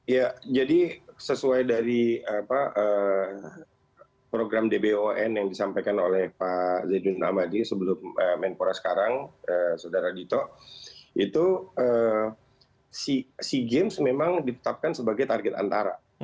ya jadi sesuai dari program dbon yang disampaikan oleh pak zainud amadi sebelum menpora sekarang saudara dito itu sea games memang ditetapkan sebagai target antara